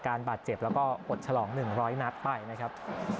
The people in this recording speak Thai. การบาดเจ็บแล้วก็อดฉลองหนึ่งร้อยนัดไปนะครับ